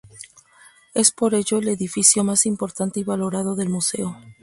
Es por ello el edificio más importante y valorado del Museo.